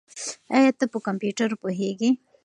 ایا ته په کمپیوټر پوهېږې؟